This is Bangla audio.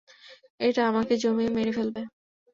এটা আমাকে জমিয়ে মেরে ফেলবে।